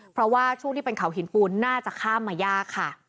เพราะว่าช่วงที่เป็นเขาหินปูนน่าจะข้ามมายากค่ะ